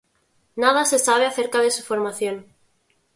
Nada se sabe acerca de su formación.